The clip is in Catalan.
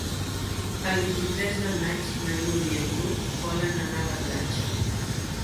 El vint-i-tres de maig na Núria i n'Hug volen anar a la platja.